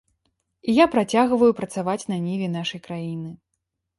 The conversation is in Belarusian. І я працягваю працаваць на ніве нашай краіны.